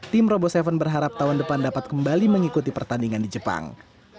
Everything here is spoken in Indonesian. tim robo tujuh berharap tahun depan dapat kembali mengikuti pertandingan di jepang